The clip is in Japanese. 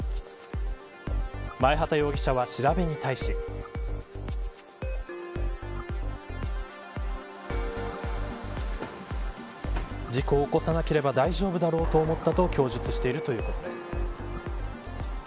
前畑容疑者は調べに対し。事故を起こさなければ大丈夫だろうと供述したということです。